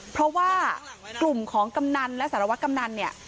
เพราะว่ากลุ่มของกำนันและสารวัตกำนันเนี่ย